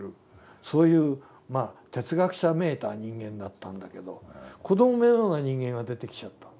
そういう哲学者めいた人間だったんだけど子どものような人間が出てきちゃった。